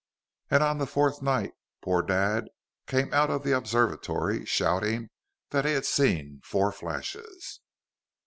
"And on the fourth night poor Dad came out of the observatory, shouting that he had seen four flashes."